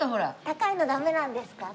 高いのダメなんですか？